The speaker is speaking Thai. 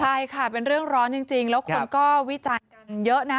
ใช่ค่ะเป็นเรื่องร้อนจริงแล้วคนก็วิจารณ์กันเยอะนะ